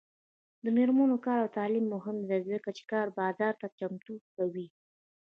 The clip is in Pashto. د میرمنو کار او تعلیم مهم دی ځکه چې کار بازار ته چمتو کوي.